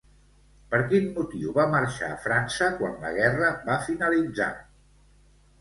Per quin motiu va marxar a França quan la guerra va finalitzar?